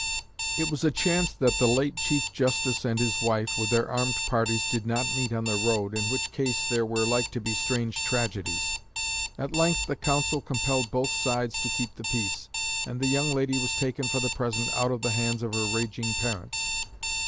It was a chance that the late Chief Justice and his wife, with their armed parties, did not meet on the road, in which case "there were like to be strange tragedies." At length the Council compelled both sides to keep the peace, and the young lady was taken for the present out of the hands of her raging parents.